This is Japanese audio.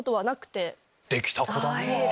できた子だねぇ。